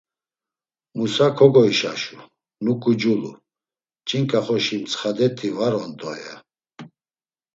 Musa kogoişaşu; nuǩu culu: “Ç̌inǩa xoşi mtsxadeti var on do!” ya.